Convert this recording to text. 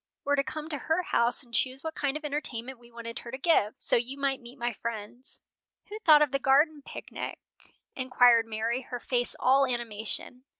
were to come to her house and choose what kind of entertainment we wanted her to give, so you might meet my friends." "Who thought of the garden picnic?" inquired Mary, her face all animation.